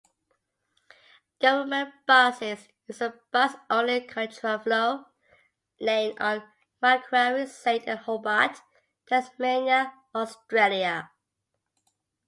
Government buses use a bus-only contraflow lane on Macquarie Saint in Hobart, Tasmania, Australia.